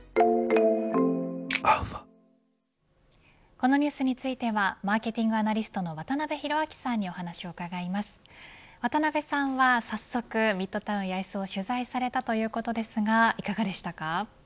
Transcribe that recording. このニュースについてはマーケティングアナリストの渡辺広明さんにお話を伺います渡辺さんは早速、ミッドタウン八重洲を取材されたということですがいかがでしたか。